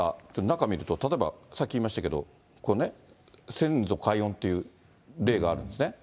中見ると、例えば、さっき言いましたけど、こうね、先祖解怨という例があるんですね。